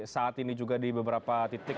saat ini juga di beberapa titik